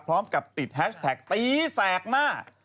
พร้อมกับติดแฮชแท็กตีแสกหน้า